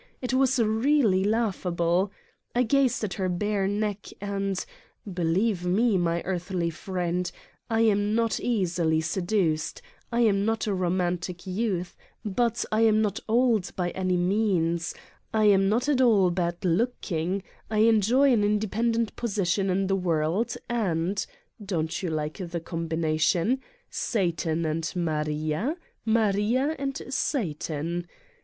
It was really laughable. I gazed at her bare neck and believe me, my earthly friend: I am not easily seduced, I am not a romantic youth, but I am not old by any means, I am not at all bad looking, I enjoy an independent position in the world and don't you like the combination: Satan and Maria? Maria and Satan!